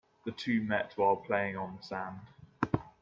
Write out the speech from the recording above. The two met while playing on the sand.